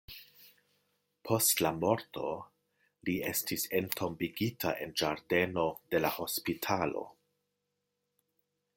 Post la morto li estis entombigita en ĝardeno de la hospitalo.